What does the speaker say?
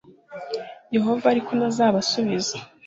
Yehova ariko ntazabasubiza